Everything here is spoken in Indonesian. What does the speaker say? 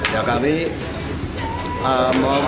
ya kami mau masuk